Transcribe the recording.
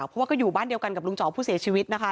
เพราะว่าก็อยู่บ้านเดียวกันกับลุงจ๋อผู้เสียชีวิตนะคะ